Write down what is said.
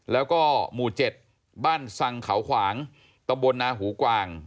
แล้วก็หมู่๗บ้านสังเขาขวางตำบลนาหูกวาง